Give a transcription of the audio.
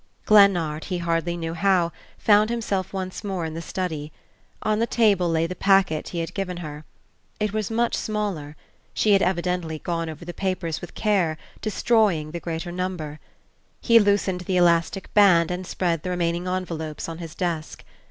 Glennard, he hardly knew how, found himself once more in the study. On the table lay the packet he had given her. It was much smaller she had evidently gone over the papers with care, destroying the greater number. He loosened the elastic band and spread the remaining envelopes on his desk.